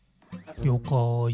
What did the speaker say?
りょうかい。